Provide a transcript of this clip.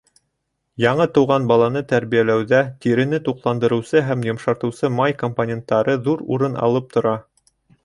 Яңы тыуған баланы тәрбиәләүҙә тирене туҡландырыусы һәм йомшартыусы май компоненттары ҙур урын алып тора.